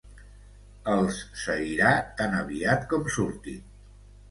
Els seguirà tan aviat com surtin.